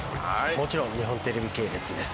もちろん日本テレビ系列です。